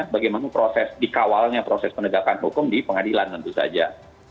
bagaimana proses dikawalnya proses penegakan hukum di pengadilan tentu saja